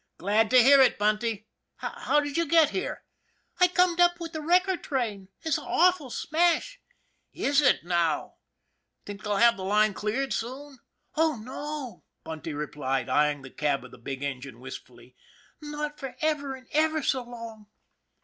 " Glad to hear it, Bunty. How did you get here ?"" I corned up with the wrecker train. It's a' awful smash." " Is it, now ! Think they'll have the line cleared soon?" " Oh, no," Bunty replied, eyeing the cab of the big engine wistfully. " Not for ever and ever so long."